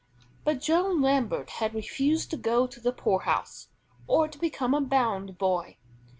But Joe Lambert had refused to go to the poorhouse or to become a bound boy.